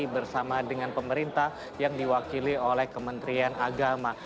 bersama dengan pemerintah yang diwakili oleh kementerian agama